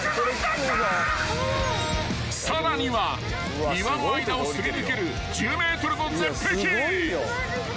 ［さらには岩の間をすり抜ける１０ｍの絶壁］